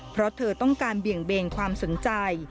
เพราะเธอต้องการเบี่ยงเบนความสนใจ